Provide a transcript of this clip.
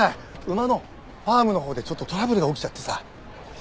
馬のファームのほうでちょっとトラブルが起きちゃってさ。